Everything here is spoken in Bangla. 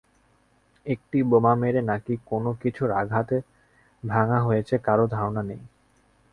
এটি বোমা মেরে, নাকি কোনো কিছুর আঘাতে ভাঙা হয়েছে, কারও ধারণা নেই।